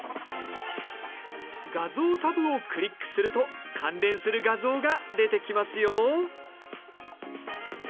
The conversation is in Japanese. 画像タブをクリックすると関連する画像が出てきますよ。